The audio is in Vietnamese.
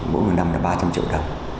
mỗi người năm là ba trăm linh triệu đồng